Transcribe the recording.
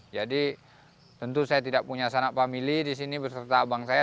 jadi tentu saya tidak punya sanak famili disini berserta abang saya